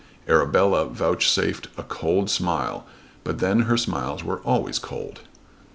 Arabella vouchsafed a cold smile, but then her smiles were always cold.